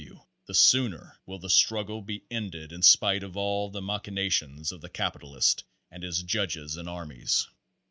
W. the sooner will the struggle be ended in spite of all the machinations of the capitalist and his judges and armies.